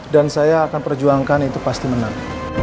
dan saya akan perjuangkan itu pasti menang